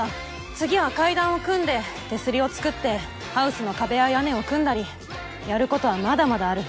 次は階段を組んで手すりを作ってハウスの壁や屋根を組んだりやることはまだまだある。